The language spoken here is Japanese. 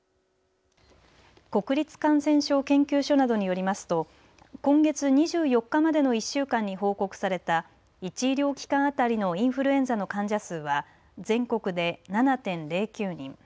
国立感染症研究所などによりますと今月２４日までの１週間に報告された１医療機関当たりのインフルエンザの患者数は全国で７．０９人。